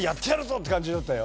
って感じだったよ。